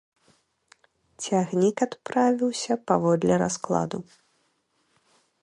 Цягнік адправіўся паводле раскладу.